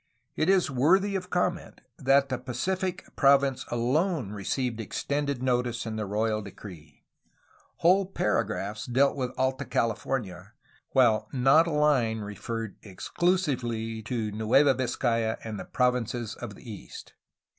It is worthy of comment that the Pacific province alone received extended notice in the royal decree. Whole paragraphs dealt with Alta CaUfornia, while not a Hne referred exclu sively to Nueva Viz cay a and the provinces of the east.